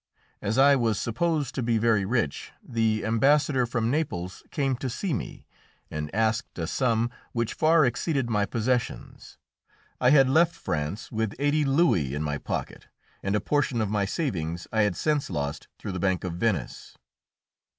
As I was supposed to be very rich, the ambassador from Naples came to see me and asked a sum which far exceeded my possessions. I had left France with eighty louis in my pocket, and a portion of my savings I had since lost through the Bank of Venice.